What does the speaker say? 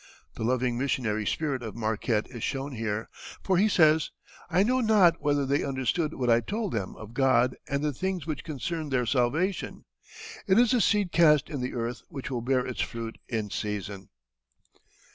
The loving missionary spirit of Marquette is shown here for, he says: "I know not whether they understood what I told them of God and the things which concerned their salvation. It is a seed cast in the earth which will bear its fruit in season."